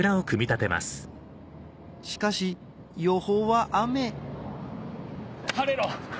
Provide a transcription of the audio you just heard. しかし予報は雨晴れろ！